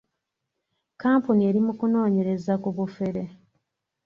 Kkampuni eri mu kunoonyereza ku bufere.